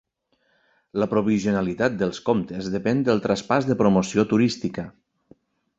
La provisionalitat dels comptes depèn del traspàs de promoció turística.